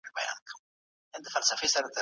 ځانونه به يې له نورو فرهنګونو لوړ ګڼل. موږ د